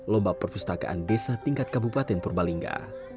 lomba perpustakaan desa tingkat kabupaten purbalingga